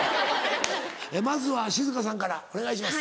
まずは静さんからお願いします。